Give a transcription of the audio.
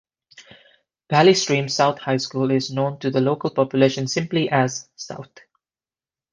Valley Stream South High School is known to the local population simply as "South".